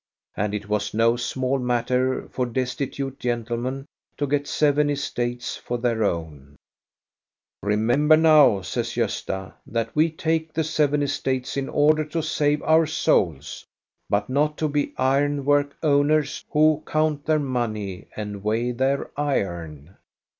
And it was no small matter for destitute gentlemen to get seven estates for their own. "Remember, now," says Gosta, "that we take the seven estates in order to save our souls, but not to be iron work owners who count their money and weigh their iron.